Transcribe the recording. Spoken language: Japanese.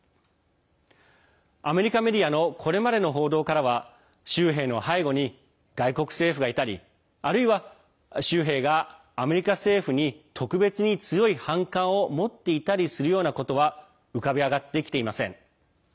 アメリカメディアのこれまでの報道からは州兵の背後に外国政府がいたりあるいは州兵がアメリカ政府に特別に強い反感を持っていたりするようなことは浮かび上がってきていません。